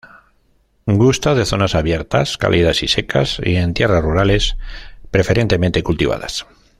Gusta de zonas abiertas, cálidas y secas, y en tierras rurales, preferentemente cultivadas.